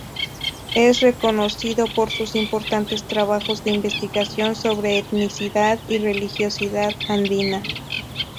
Es reconocido por sus importantes trabajos de investigación sobre etnicidad y religiosidad andina.